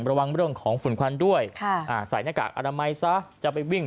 ระวังเรื่องของฝุ่นควันด้วยใส่หน้ากากอนามัยซะจะไปวิ่ง